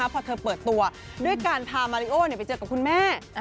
พอเธอเปิดตัวด้วยการพามาริโอไปเจอกับคุณแม่